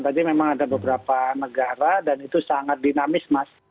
tadi memang ada beberapa negara dan itu sangat dinamis mas